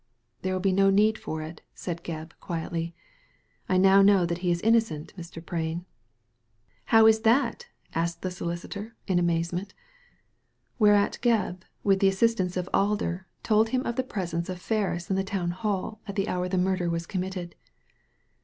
" There will be no need for it," said Gebb, quietly ;*' I know now that he is innocent, Mr. Prain." " How is that ?" asked the solicitor, in amazement Whereat Gebb, with the assistance of Alder, told him of the presence of Ferris in the Town Hall at the hour the murder was committed.